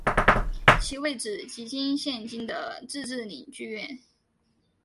其位置即为现今的自治领剧院。